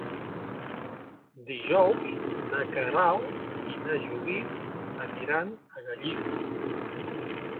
Dijous na Queralt i na Judit aniran a Gallifa.